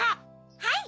はい！